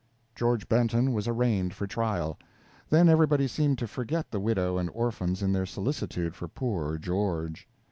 George Benton was arraigned for trial. Then everybody seemed to forget the widow and orphans in their solicitude for poor George.